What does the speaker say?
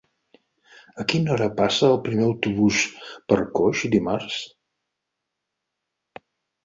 A quina hora passa el primer autobús per Coix dimarts?